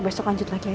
besok lanjut lagi